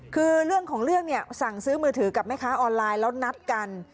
คือเรื่องของเรื่องเนี่ยสั่งซื้อมือถือกับแม่ค้าออนไลน์แล้วนัดกัน